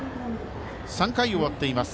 ３回終わっています。